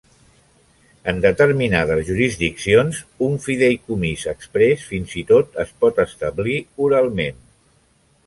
En determinades jurisdiccions, un fideïcomís exprés fins i tot es pot establir oralment.